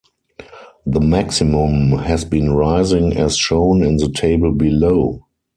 The maximum has been rising as shown in the table below.